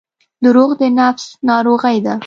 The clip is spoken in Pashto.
• دروغ د نفس ناروغي ده.